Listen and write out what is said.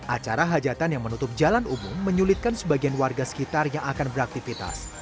acara hajatan yang menutup jalan umum menyulitkan sebagian warga sekitar yang akan beraktivitas